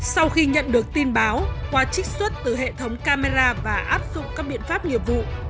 sau khi nhận được tin báo qua trích xuất từ hệ thống camera và áp dụng các biện pháp nghiệp vụ